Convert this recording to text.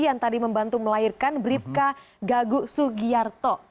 yang tadi membantu melahirkan bripka gaguk sugierto